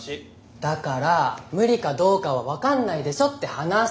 だから無理かどうかは分かんないでしょって話。